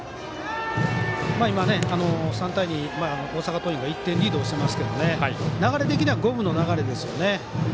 今、３対２、大阪桐蔭が１点リードしてますが流れ的には五分の流れですよね。